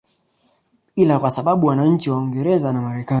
ila kwa sababu wananchi wa Uingereza na Marekani